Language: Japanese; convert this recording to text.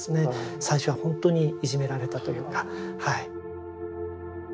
最初は本当にいじめられたというかはい。